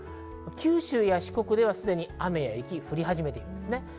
九州や四国ではすでに雨や雪が降り始めています。